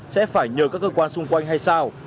sẽ phải nhờ các cơ quan xung quanh hay sao